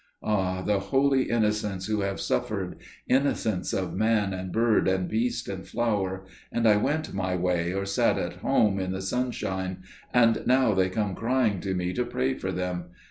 Ah! the Holy Innocents who have suffered! Innocents of man and bird and beast and flower; and I went my way or sat at home in the sunshine; and now they come crying to me to pray for them.